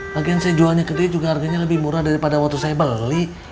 bagian saya jualnya kede juga harganya lebih murah daripada waktu saya beli